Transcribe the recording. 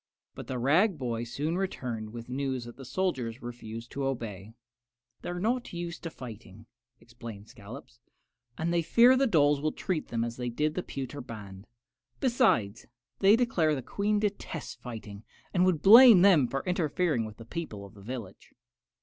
But the rag boy soon returned with the news that the soldiers refused to obey. "They are not used to fighting," explained Scollops, "and they fear the dolls will treat them as they did the pewter band. Besides, they declare the Queen detests fighting, and would blame them for interfering with the people of the village."